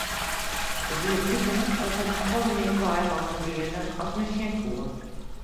It die bliken dat der noch folle mear kaaimannen wiene as men sjen koe.